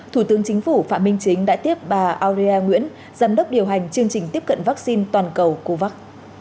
thủ tướng chính phủ phạm minh chính đã tiếp bà aurier nguyễn giám đốc điều hành chương trình tiếp cận vaccine toàn cầu covax